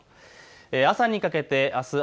朝にかけてあす雨。